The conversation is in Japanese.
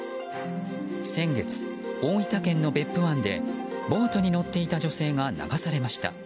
先月、大分県の別府湾でボートに乗っていた女性が流されました。